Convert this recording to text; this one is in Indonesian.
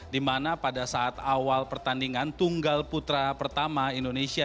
dimana pada saat awal pertandingan tunggal putra pertama indonesia